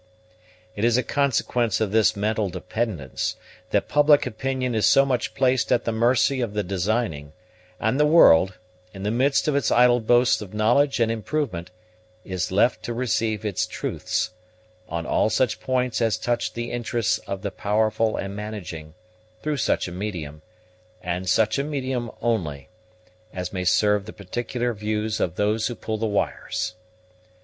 It is a consequence of this mental dependence, that public opinion is so much placed at the mercy of the designing; and the world, in the midst of its idle boasts of knowledge and improvement, is left to receive its truths, on all such points as touch the interests of the powerful and managing, through such a medium, and such a medium only, as may serve the particular views of those who pull the wires.